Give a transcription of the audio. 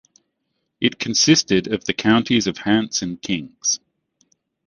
It consisted of the Counties of Hants and Kings.